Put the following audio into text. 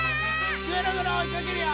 ぐるぐるおいかけるよ！